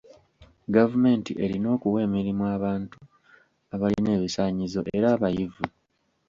Gavumenti erina okuwa emirimu abantu abalina ebisaanyizo era abayivu.